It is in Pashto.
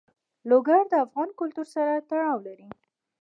لوگر د افغان کلتور سره تړاو لري.